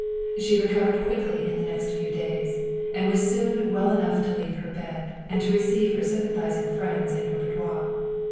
She recovered quickly in the next few days, and was soon well enough to leave her bed, and to receive her sympathiz ing friends in her boudoir.